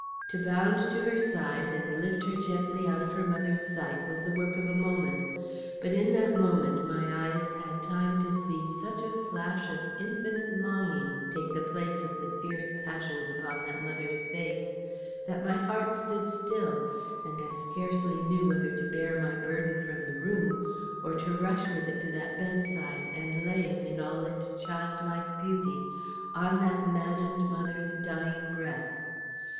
To bound to her side, and lift her gently out of her mother's sight, was the work of a moment. But in that moment my eyes had time to see such a flash of infinite longing take the place of the fierce passions upon that mother's face, that my heart stood still, and I scarcely knew whether to bear my burden from the room, or to rush with it to that bedside and lay it, in all its childlike beauty, on that maddened mother's dying breast.